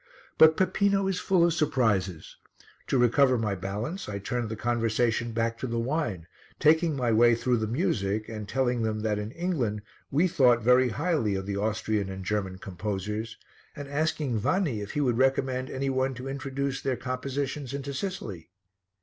But Peppino is full of surprises. To recover my balance I turned the conversation back to the wine, taking my way through the music and telling them that in England we thought very highly of the Austrian and German composers, and asking Vanni if he would recommend any one to introduce their compositions into Sicily.